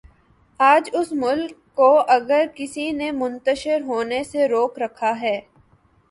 آج اس ملک کو اگر کسی نے منتشر ہونے سے روک رکھا ہے۔